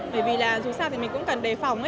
bởi vì là dù sao thì mình cũng cần đề phòng